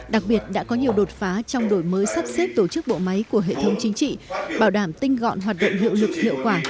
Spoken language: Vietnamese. đặc biệt đã có nhiều đột phá trong đổi mới sắp xếp tổ chức bộ máy của hệ thống chính trị bảo đảm tinh gọn hoạt động hiệu lực hiệu quả